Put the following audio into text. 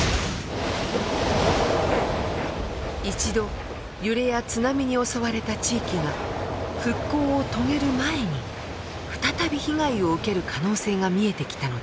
一度揺れや津波に襲われた地域が復興を遂げる前に再び被害を受ける可能性が見えてきたのです。